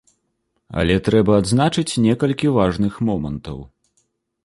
Але трэба адзначыць некалькі важных момантаў.